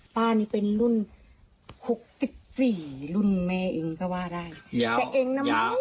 ป้านี่เป็นรุ่นหกสิบสี่รุ่นแม่เองก็ว่าได้แต่เองนะ